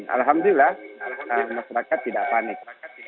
alhamdulillah masyarakat tidak panik